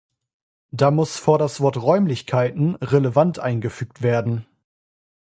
Da muss vor das Wort Räumlichkeiten "relevant" eingefügt werden.